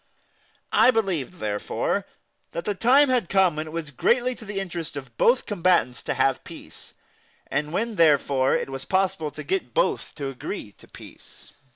I believed, therefore, that the time had come when it was greatly to the interest of both combatants to have peace, and when therefore it was possible to get both to agree to peace.